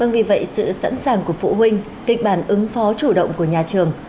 vì vậy sự sẵn sàng của phụ huynh kịch bản ứng phó chủ động của nhà trường